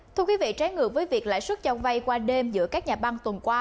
thưa quý vị trái ngược với việc lãi suất cho vay qua đêm giữa các nhà băng tuần qua